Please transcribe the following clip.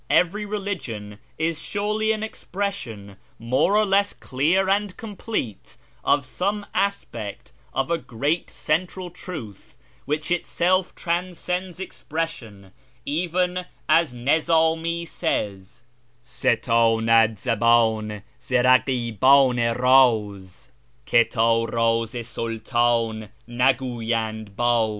Every religion is surely an expression, more or less clear and complete, of some aspect of a great central Truth which itself transcends expression, even as Nizami says :—' Sitdnad zabdn zi rakibdn i rdz, Ki td rdz i Sulkm na guyancl hdz.''